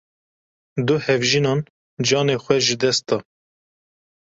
Du hevjînan canê xwe jidest da.